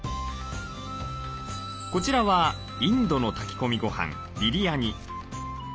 こちらはインドの炊き込みごはんビリヤニ。